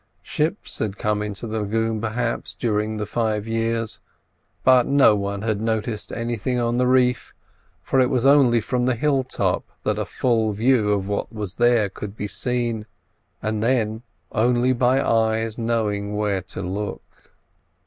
Ships had come into the lagoon, perhaps, during the five years, but no one had noticed anything on the reef, for it was only from the hill top that a full view of what was there could be seen, and then only by eyes knowing where to look.